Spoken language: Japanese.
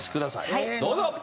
どうぞ！